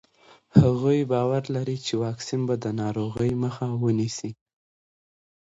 هغې باور لري چې واکسین به د ناروغۍ مخه ونیسي.